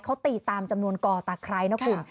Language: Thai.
เขาตีตามจำนวนกอตะไคร้นะคุณ